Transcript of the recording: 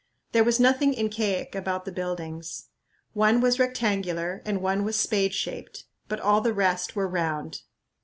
There was nothing Incaic about the buildings. One was rectangular and one was spade shaped, but all the rest were round.